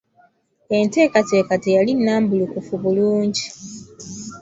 Enteekateeka teyali nnambulukufu bulungi.